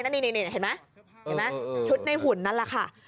นี่เห็นไหมเห็นไหมชุดในหุ่นนั่นแหละค่ะ